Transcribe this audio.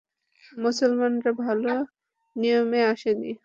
মুসলমানরা ভাল নিয়তে আসেনি।